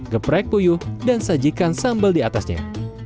geprek puyuh dan sajikan sambal di atasnya